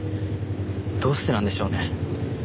どうしてなんでしょうね。